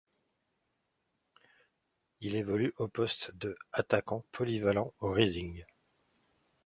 Il évolue au poste de attaquant polyvalent au Reading.